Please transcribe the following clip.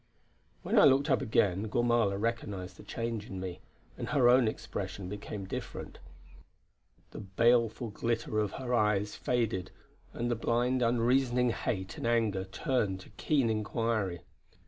When I looked up again Gormala recognised the change in me, and her own expression became different. The baleful glitter of her eyes faded, and the blind, unreasoning hate and anger turned to keen inquiry.